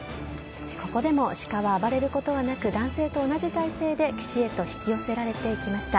ここでもシカは暴れることはなく、男性と同じ体勢で、岸へと引き寄せられていきました。